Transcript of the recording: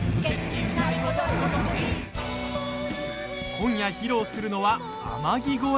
今夜、披露するのは「天城越え」。